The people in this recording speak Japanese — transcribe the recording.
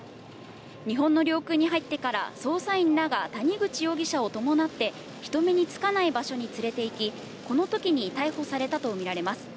日本の領空に入ってから捜査員らが谷口容疑者を伴って、人目につかない場所に連れていき、このときに逮捕されたと見られます。